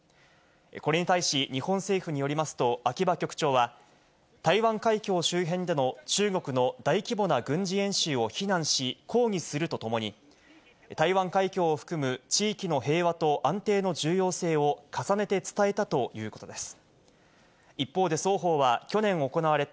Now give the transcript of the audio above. これに対し、日本政府によりますと、秋葉局長は、台湾海峡周辺での中国の大規模な軍事演習を非難し、抗議するとともに、台湾海峡を含む地域の平和と安定の重要性を、重ねて伝えたということです。